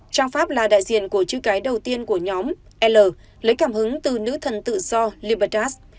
trang pháp là đại diện của chữ cái đầu tiên của nhóm l lấy cảm hứng từ nữ thần tự do liberras